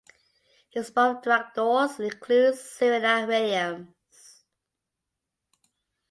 Its board of directors includes Serena Williams.